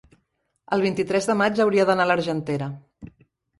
el vint-i-tres de maig hauria d'anar a l'Argentera.